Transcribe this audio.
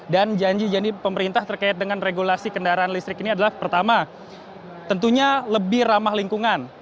dan janji janji pemerintah terkait dengan regulasi kendaraan listrik ini adalah pertama tentunya lebih ramah lingkungan